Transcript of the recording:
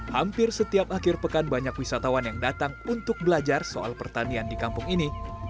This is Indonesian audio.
hampir setiap akhir pekan banyak wisatawan yang datang untuk belajar soal pertanian di kampung ini